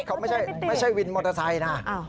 เขาไม่ใช่วินมอเตอร์ไซค์นะ